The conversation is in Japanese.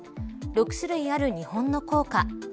６種類ある日本の硬貨。